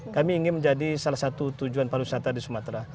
kami ingin menjadi salah satu tujuan pariwisata di sumatera